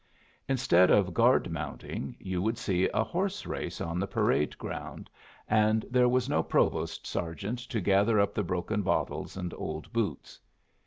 Instead of guard mounting, you would see a horse race on the parade ground, and there was no provost sergeant to gather up the broken bottles and old boots.